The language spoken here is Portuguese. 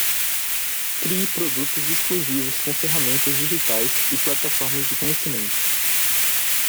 Crie produtos exclusivos com ferramentas digitais e plataformas de conhecimento